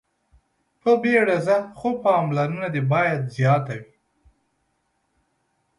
په بيړه ځه خو پاملرنه دې باید زياته وي.